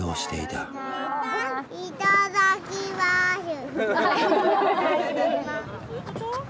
いただきましゅ。